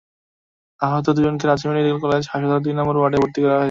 আহত দুজনকেই Rajshahi medical college হাসপাতালের দুই নম্বর ওয়ার্ডে ভর্তি করা হয়েছে।